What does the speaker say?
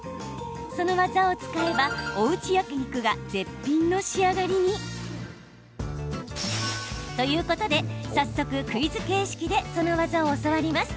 その技を使えば、おうち焼き肉が絶品の仕上がりに。ということで、早速クイズ形式でその技を教わります。